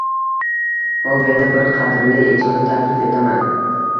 Hop yana bir qadrli insonni taklif etaman